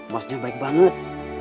masnya baik banget